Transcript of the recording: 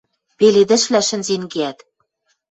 Пеледӹшвлӓ шӹнзен кеӓт.